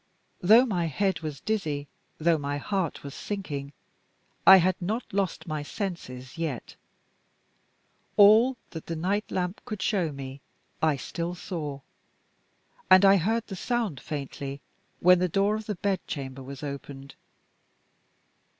Though my head was dizzy, though my heart was sinking, I had not lost my senses yet. All that the night lamp could show me, I still saw; and I heard the sound, faintly, when the door of the bed chamber was opened.